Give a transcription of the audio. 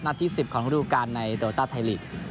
นัดที่๑๐ของลูกการในโตตาไทยลีกส์